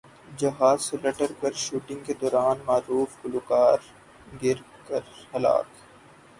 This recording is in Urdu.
جہاز سے لٹک کر شوٹنگ کے دوران معروف گلوکار گر کر ہلاک